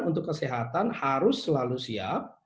untuk kesehatan harus selalu siap